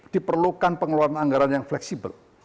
diperlukan pengeluaran anggaran yang fleksibel